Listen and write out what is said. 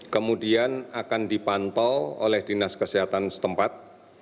kemudian akan dipantau oleh dinas kesehatan setempat